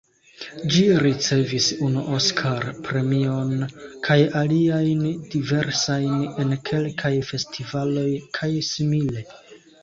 Ĝi ricevis unu Oskar-premion kaj aliajn diversajn en kelkaj festivaloj kaj simile.